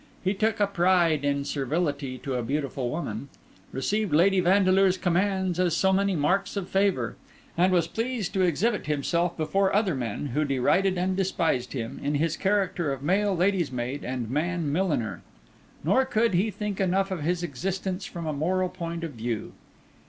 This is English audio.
He took a pride in servility to a beautiful woman; received Lady Vandeleur's commands as so many marks of favour; and was pleased to exhibit himself before other men, who derided and despised him, in his character of male lady's maid and man milliner. Nor could he think enough of his existence from a moral point of view.